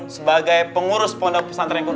sebagai pengurus pondok pesantren gunung